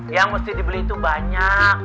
ya mesti dibeli itu banyak